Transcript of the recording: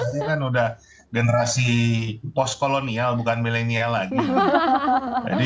zaman saya kan udah generasi postkolonial bukan millennial lagi